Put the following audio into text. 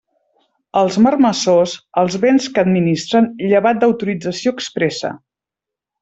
Els marmessors, els béns que administren, llevat d'autorització expressa.